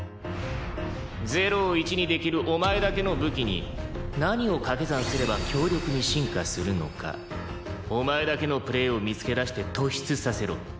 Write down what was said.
０を１にできるお前だけの武器に何をかけ算すれば強力に進化するのかお前だけのプレーを見つけ出して突出させろ。